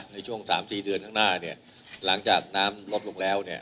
ในช่วงสามสี่เดือนข้างหน้าเนี่ยหลังจากน้ำลดลงแล้วเนี่ย